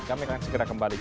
kami akan segera kembali